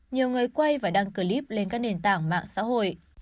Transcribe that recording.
nhiều người quay và đăng clip lên các nền tảng mạng xã hội